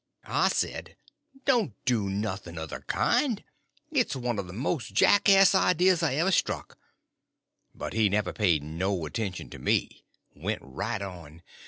I said, "Don't do nothing of the kind; it's one of the most jackass ideas I ever struck;" but he never paid no attention to me; went right on.